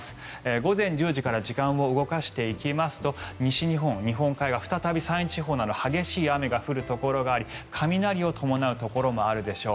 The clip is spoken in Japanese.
午前１０時から時間を動かしていきますと西日本、日本海側は再び山陰地方などは激しい雨が降るところがあり雷を伴うところもあるでしょう。